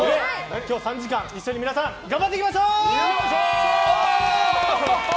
今日３時間一緒に皆さん頑張っていきましょう！